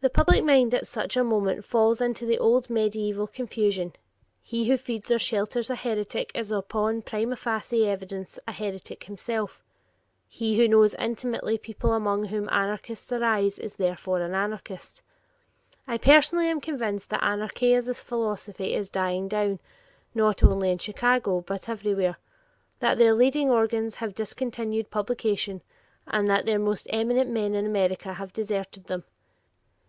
The public mind at such a moment falls into the old medieval confusion he who feeds or shelters a heretic is upon prima facie evidence a heretic himself he who knows intimately people among whom anarchists arise is therefore an anarchist. I personally am convinced that anarchy as a philosophy is dying down, not only in Chicago, but everywhere; that their leading organs have discontinued publication, and that their most eminent men in America have deserted them.